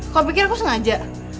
kau pikir aku sengaja